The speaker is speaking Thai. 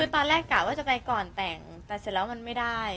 ตอนแรกกะว่าจะไปก่อนแต่งแต่เสร็จแล้วมันไม่ได้